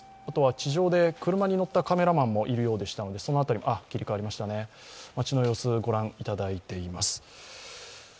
地上で車に乗ったカメラマンもいるようですが、街の様子、ご覧いただいています。